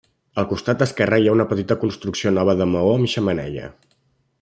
Al costat esquerre hi ha una petita construcció nova de maó amb xemeneia.